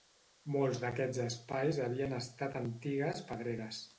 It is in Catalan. Molts d'aquests espais havien estat antigues pedreres.